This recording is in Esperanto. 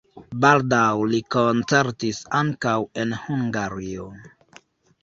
Baldaŭ li koncertis ankaŭ en Hungario.